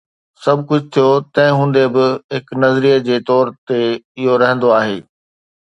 سڀ ڪجهه ٿيو، تنهن هوندي به، هڪ نظريي جي طور تي اهو رهندو آهي